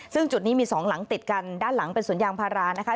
ซึ่งจุดนี้มีสองหลังติดกันด้านหลังเป็นสวนยางพารานะคะ